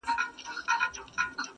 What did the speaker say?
ستا له نسیم سره به الوزمه!.